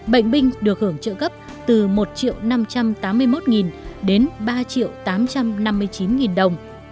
bệnh binh được hưởng trợ cấp từ một năm trăm tám mươi một đến ba triệu tám trăm năm mươi chín đồng